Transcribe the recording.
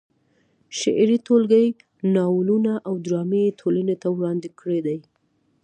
شعري ټولګې، ناولونه او ډرامې یې ټولنې ته وړاندې کړې دي.